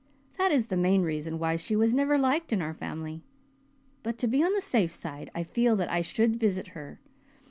That is the main reason why she was never liked in our family. But to be on the safe side I feel that I should visit her.